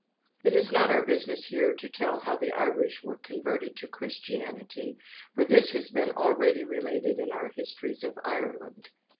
It is not our business here to tell how the Irish were converted to Christianity; for this has been already related in our Histories of Ireland.